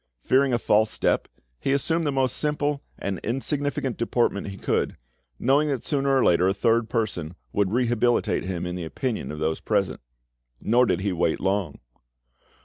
Fearing a false step, he assumed the most simple and insignificant deportment he could, knowing that sooner or later a third person would rehabilitate him in the opinion of those present. Nor did he wait long.